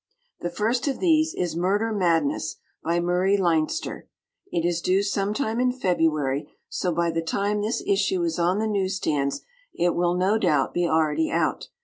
The first of these is "Murder Madness," by Murray Leinster. It is due sometime in February, so by the time this issue is on the newsstands it will no doubt be already out.